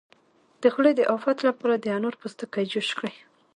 د خولې د افت لپاره د انار پوستکی جوش کړئ